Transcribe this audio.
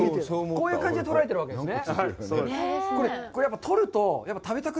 こういう感じで取られてるわけですね。